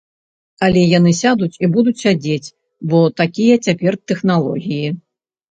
Але яны сядуць і будуць сядзець, бо такія цяпер тэхналогіі.